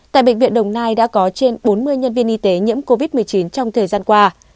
tại bệnh viện đồng nai đã có trên bốn mươi nhân viên y tế nhiễm covid một mươi chín trong thời gian qua